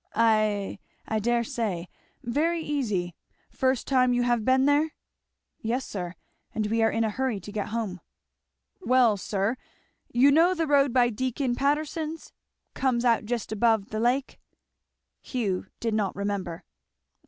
"Ah I dare say. Very easy. First time you have been there?" "Yes sir, and we are in a hurry to get home." "Well sir, you know the road by Deacon Patterson's? comes out just above the lake?" Hugh did not remember.